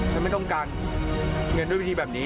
ไม่ต้องการเงินด้วยวิธีแบบนี้